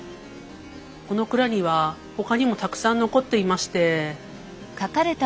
この蔵にはほかにもたくさん残っていまして。